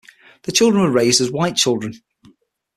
The children were raised as white children.